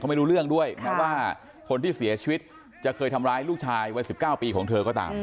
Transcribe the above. ไม่รู้เรื่องด้วยแม้ว่าคนที่เสียชีวิตจะเคยทำร้ายลูกชายวัย๑๙ปีของเธอก็ตาม